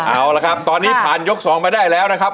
เอาละครับตอนนี้ผ่านยก๒มาได้แล้วนะครับ